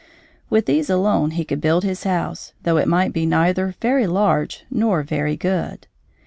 With these alone he could build his house, though it might be neither very large nor very good.